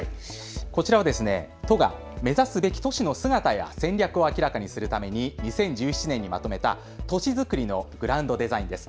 こちらは都が目指すべき都市の姿や戦略を明らかにするために２０１７年にまとめた都市づくりのグランドデザインです。